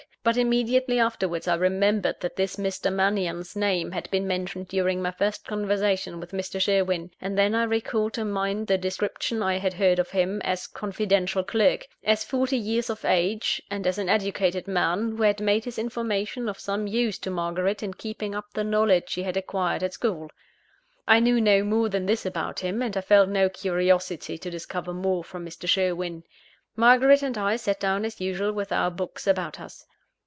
But immediately afterwards, I remembered that this Mr. Mannion's name had been mentioned during my first conversation with Mr. Sherwin; and then I recalled to mind the description I had heard of him, as "confidential clerk;" as forty years of age; and as an educated man, who had made his information of some use to Margaret in keeping up the knowledge she had acquired at school. I knew no more than this about him, and I felt no curiosity to discover more from Mr. Sherwin. Margaret and I sat down as usual with our books about us.